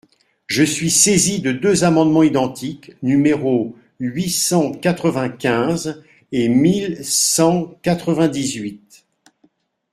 Je suis saisi de deux amendements identiques, numéros huit cent quatre-vingt-quinze et mille cent quatre-vingt-dix-huit.